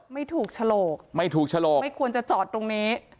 ไม่ถูกฉลกไม่ถูกฉลกไม่ควรจะจอดตรงนี้